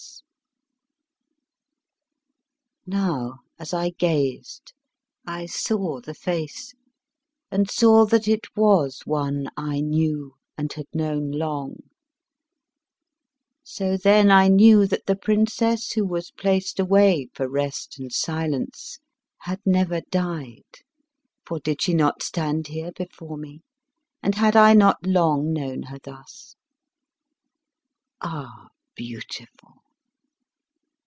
Now as I gazed, I saw the face and saw that it was one I knew, and had known long; so then I knew that the princess who was placed away for rest and silence had never died; for did she not stand here before me, and had I not long known her thus? Ah, beautiful!